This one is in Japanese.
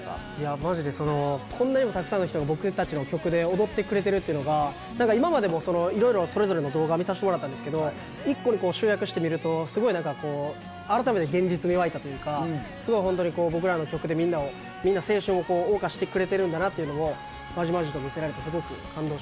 マジでこんなにもたくさんの人が僕たちの曲で踊ってくれてるっていうのが今までもそれぞれの動画見させてもらったんですけど一個に集約して見るとすごい改めて現実味湧いたというかすごいホントに僕らの曲でみんな青春を謳歌してくれてるんだなっていうのをまじまじと見せられてすごく感動しました。